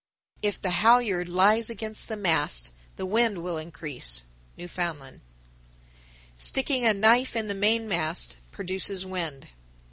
If the halyard lies against the mast, the wind will increase. Newfoundland 1059. Sticking a knife in the mainmast produces wind.